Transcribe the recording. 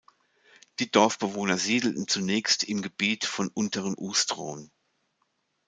Die Dorfbewohner siedelten zunächst im Gebiet vom "Unteren Ustroń".